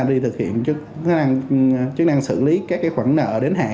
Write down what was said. đi thực hiện chức năng xử lý các khoản nợ đến hạn